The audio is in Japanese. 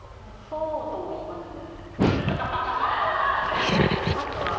そうとも言いますね。